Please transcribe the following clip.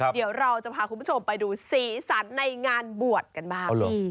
เดี๋ยวเราจะพาคุณผู้ชมไปดูสีสันในงานบวชกันบ้าง